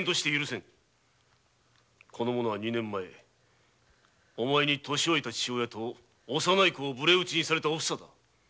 この者は二年前お前に年老いた父親と幼子を無礼討ちにされたお房だ。